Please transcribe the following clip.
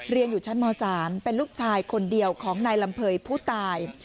เรียนอยู่ชั้นม๓เป็นลูกชายคนเดียวของนายลำเภยผู้ตาย